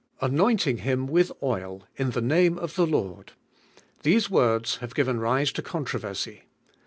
AKOLNT1NG liim Willi oil in the name of the Lord." These words have given rise to controversy.